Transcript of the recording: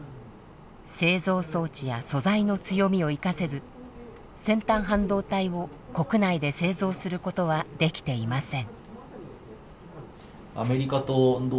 製造装置や素材の強みを生かせず先端半導体を国内で製造することはできていません。